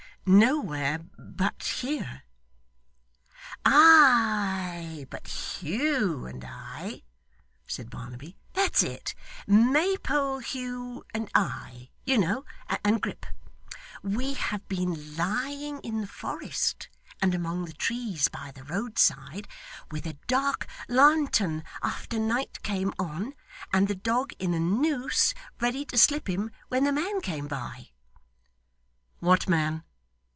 'Nowhere but here.' 'Aye, but Hugh, and I,' said Barnaby, 'that's it. Maypole Hugh, and I, you know, and Grip we have been lying in the forest, and among the trees by the road side, with a dark lantern after night came on, and the dog in a noose ready to slip him when the man came by.' 'What man?